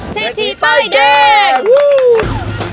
เศรษฐีป้ายแดง